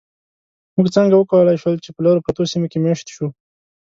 موږ څنګه وکولی شول، چې په لرو پرتو سیمو کې مېشت شو؟